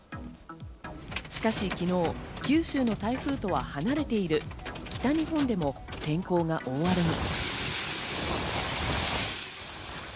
しかし昨日、九州の台風とは離れている北日本でも天候が大荒れに。